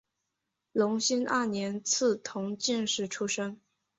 隆兴二年赐同进士出身。